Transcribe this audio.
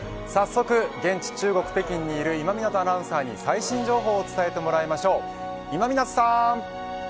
早速現地中国北京にいる今湊アナウンサーに最新情報を伝えてもらいましょう。